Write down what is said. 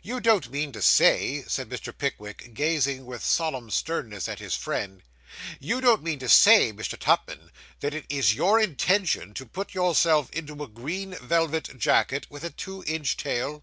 'You don't mean to say,' said Mr. Pickwick, gazing with solemn sternness at his friend 'you don't mean to say, Mr. Tupman, that it is your intention to put yourself into a green velvet jacket, with a two inch tail?